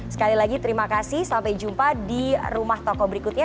sekali lagi terima kasih sampai jumpa di rumah toko berikutnya